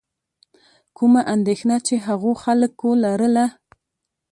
کومه اندېښنه چې هغو خلکو لرله.